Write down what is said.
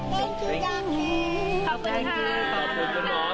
ไม่รู้ทำอย่างไร